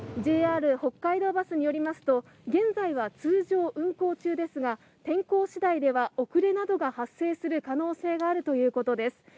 ＪＲ北海道バスによりますと、現在は通常運行中ですが、天候しだいでは遅れなどが発生する可能性があるということです。